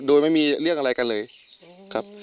โดยไม่มีเรื่องอะไรกันเลยครับ